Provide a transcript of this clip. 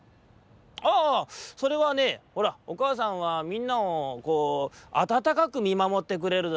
「ああああ。それはねほらおかあさんはみんなをこうあたたかくみまもってくれるだろう？